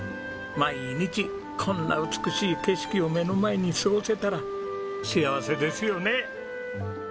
毎日こんな美しい景色を目の前に過ごせたら幸せですよねえ。